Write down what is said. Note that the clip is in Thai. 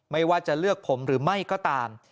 ไม่ว่าจะเลือกผมหรือไม่ก็ตาม